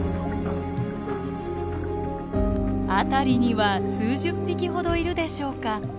あたりには数十匹ほどいるでしょうか。